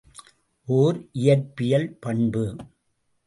ஒர் இயற்பியல் பண்பு.